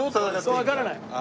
そうわからない。